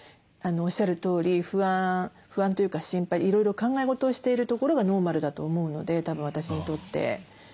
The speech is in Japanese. おっしゃるとおり不安不安というか心配いろいろ考え事をしているところがノーマルだと思うのでたぶん私にとって。